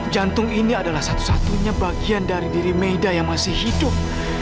jantung ini adalah satu satunya bagian dari diri meida yang masih hidup